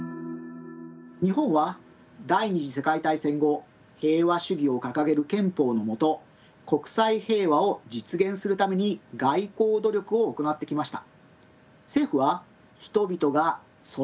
日本は第二次世界大戦後平和主義を掲げる憲法の下国際平和を実現するために外交努力を行ってきました。